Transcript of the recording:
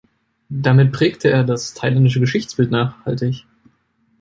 Damit prägte er das thailändische Geschichtsbild nachhaltig.